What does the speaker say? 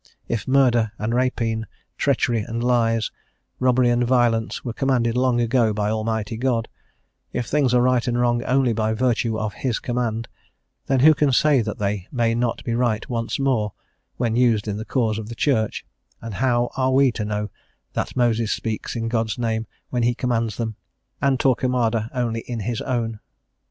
If murder and rapine, treachery and lies, robbery and violence, were commanded long ago by Almighty God; if things are right and wrong only by virtue of His command, then who can say that they may not be right once more, when used in the cause of the Church, and how are we to know that Moses speaks in God's name when he commands them, and Torquemada only in his own?